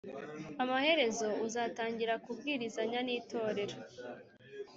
Amaherezo uzatangira kubwirizanya n itorero